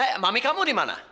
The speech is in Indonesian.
eh mami kamu dimana